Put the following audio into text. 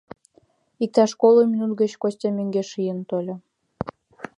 Иктаж коло минут гыч Костя мӧҥгеш ийын тольо.